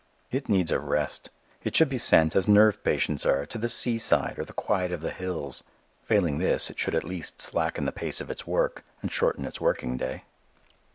It needs a rest. It should be sent, as nerve patients are, to the seaside or the quiet of the hills. Failing this, it should at least slacken the pace of its work and shorten its working day.